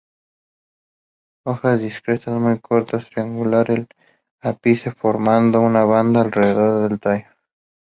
Hojas discretas, muy cortas, triangular en el ápice, formando una banda alrededor del tallo.